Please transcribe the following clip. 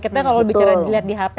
kita kalau bicara dilihat di hp